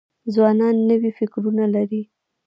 ځوانان نوي فکرونه لري.